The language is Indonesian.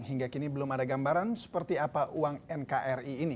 hingga kini belum ada gambaran seperti apa uang nkri ini